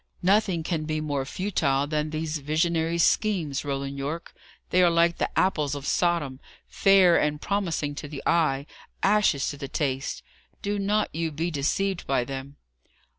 Nothing can be more futile than these visionary schemes, Roland Yorke; they are like the apples of Sodom fair and promising to the eye, ashes to the taste. Do not you be deceived by them."